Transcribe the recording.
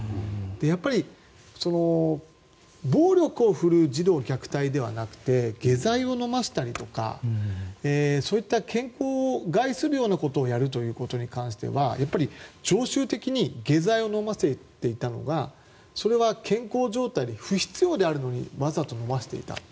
やっぱり、暴力を振るう児童虐待ではなくて下剤を飲ませたりとかそういった健康を害するような行為をやるということに関しては常習的に下剤を飲ませていたのは健康状態に不必要であるのにわざと飲ませていた。